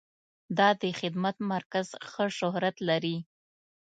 دا د خدمت مرکز ښه شهرت لري.